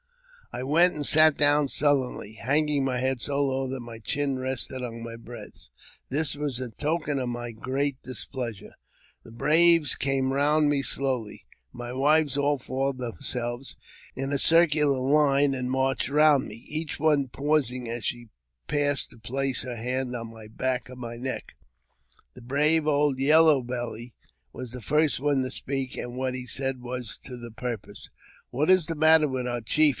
I went and sat down sullenly, hanging my head so lo that my chin rested upon my breast : this was a token of my great displeasure. The braves came round me slowly. My wives all formed themselves in a circular line, and marched round me, each one pausing as she passed to place her hand on the back of my neck. The brave old Yellow Belly was the first one to speak, an what he said was to the purpose. " What is the matter with our chief